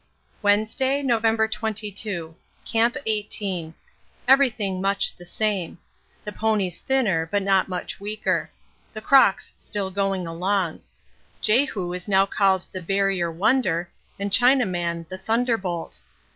Wednesday, November 22. Camp 18. Everything much the same. The ponies thinner but not much weaker. The crocks still going along. Jehu is now called 'The Barrier Wonder' and Chinaman 'The Thunderbolt.'